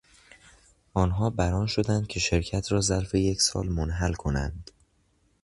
آنها برآن شدند که شرکت را ظرف یکسال منحل کنند.